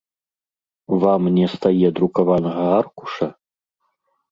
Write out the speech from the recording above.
Вам не стае друкаванага аркуша?